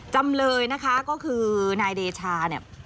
จำเลยนะคะก็คือนายเดชาเนี่ย